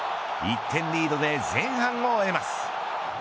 １点リードで前半を終えます。